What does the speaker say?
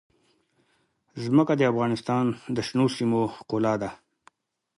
ځمکه د افغانستان د شنو سیمو ښکلا ده.